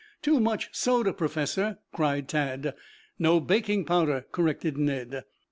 "Too much soda, Professor," cried Tad. "No, baking powder," corrected Ned. "Wow!